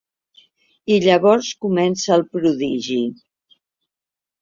I llavors comença el prodigi.